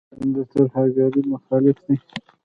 هند د ترهګرۍ مخالف دی.